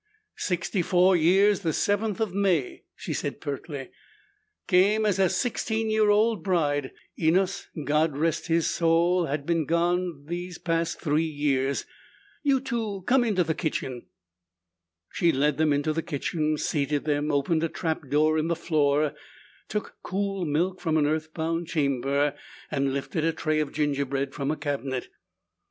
"Sixty four years the seventh of May," she said pertly. "Came as a sixteen year old bride. Enos, God rest his soul, has been gone these past three years. You two come on into the kitchen." She led them into the kitchen, seated them, opened a trap door in the floor, took cool milk from an earth bound chamber, and lifted a tray of gingerbread from a cabinet.